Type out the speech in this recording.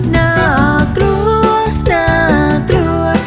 น่ากลัวน่ากลัว